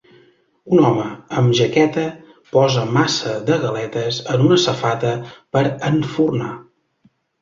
Un home amb jaqueta posa massa de galetes en una safata per enfornar